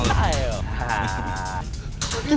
mau kemana lagi lu